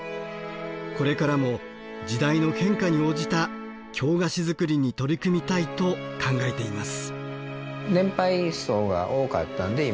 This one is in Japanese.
これからも時代の変化に応じた京菓子作りに取り組みたいと考えています。